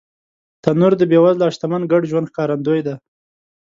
تنور د بېوزله او شتمن ګډ ژوند ښکارندوی دی